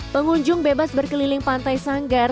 pengunjung bebas berkeliling pantai sanggar